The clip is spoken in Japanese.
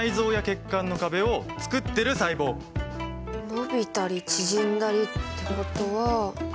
伸びたり縮んだりってことは。